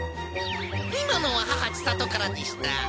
今のは母千里からでした。